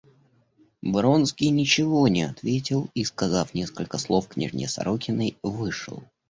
Вронский ничего не ответил и, сказав несколько слов княжне Сорокиной, вышел.